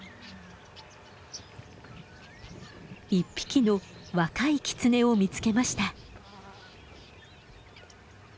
１匹の若いキツネを見つけました。